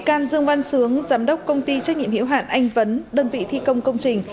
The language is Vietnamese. bị can dương văn sướng giám đốc công ty trách nhiệm hiệu hạn anh vấn đơn vị thi công công trình